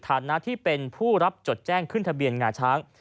ฐานะที่เป็นผู้รับจดแจ้งขึ้นทะเบียนงาช้าง